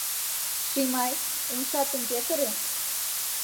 — Шимай, умшатым петыре!